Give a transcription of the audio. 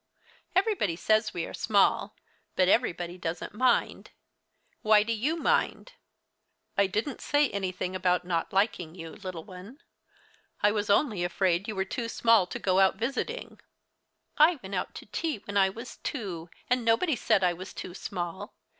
Everybody says we are small, but everybody doesn't mind. Why do you mind?" "I didn't say anything about not liking you, little one. I was only afraid you were too small to go out visiting." "I went out to tea when I was two, and nobody said I was too small.